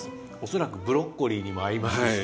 恐らくブロッコリーにも合いますし。